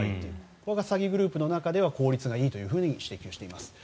これが詐欺グループの中では効率がいいと指摘をしています。